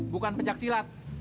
bukan pejak silat